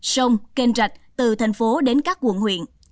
sông kênh rạch từ thành phố đến các quận huyện